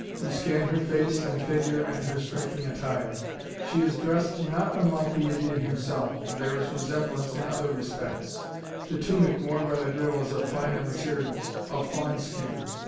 We scan her face and figure and her striking attire. She is dressed not unlike the Indian himself, and there is resemblance in other respects. The tunic worn by the girl is of finer materials; of fawn skin.